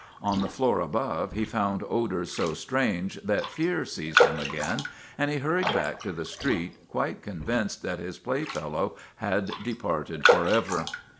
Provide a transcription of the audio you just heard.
On the floor above he found odors so strange that fear seized him again and he hurried back to the street, quite convinced that his playfellow had departed forever.